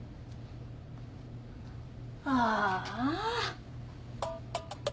ああ。